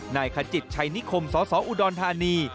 ขจิตชัยนิคมสสอุดรธานี